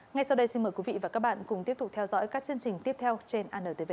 ngay sau đây xin mời quý vị và các bạn cùng tiếp tục theo dõi các chương trình tiếp theo trên antv